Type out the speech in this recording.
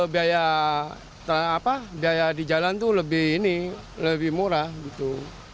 biaya di jalan tuh lebih murah gitu